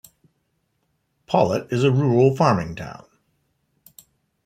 Pawlet is a rural farming town.